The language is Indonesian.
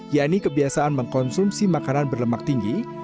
yakni kebiasaan mengkonsumsi makanan berlemak tinggi